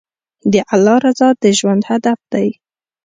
د الله رضا د ژوند هدف دی.